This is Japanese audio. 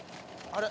あれ？